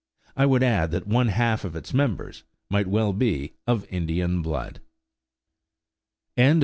I would add that one half of its members might well be of Indian blood.